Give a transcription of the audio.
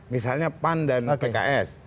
misalnya pan dan tks